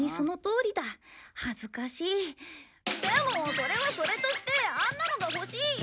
それはそれとしてあんなのが欲しいよ！